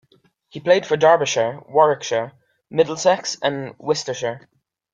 He played for Derbyshire, Warwickshire, Middlesex and Worcestershire.